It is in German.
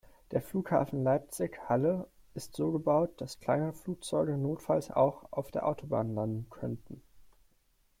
Der Flughafen Leipzig/Halle ist so gebaut, dass kleine Flugzeuge notfalls auch auf der Autobahn landen könnten.